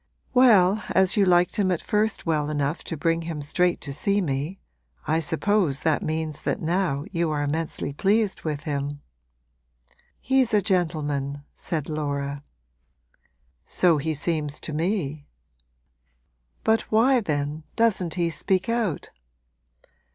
'Well, as you liked him at first well enough to bring him straight to see me, I suppose that means that now you are immensely pleased with him.' 'He's a gentleman,' said Laura. 'So he seems to me. But why then doesn't he speak out?'